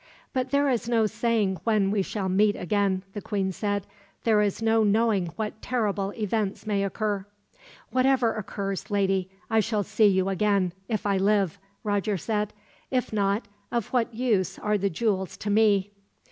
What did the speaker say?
"But there is no saying when we shall meet again," the queen said. "There is no knowing what terrible events may occur." "Whatever occurs, lady, I shall see you again, if I live," Roger said. "If not, of what use are the jewels to me?"